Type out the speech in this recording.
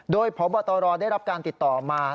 โดยพบตรได้รับการติดต่อมา